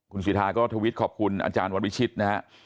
คุณศิษฐาก็ช่วงโทรศิษฐ์ขอบคุณอาจารย์วันวิชิตนะฮะ